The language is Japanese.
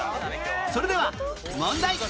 それでは問題